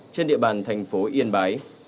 trên địa bàn thành phố yên bái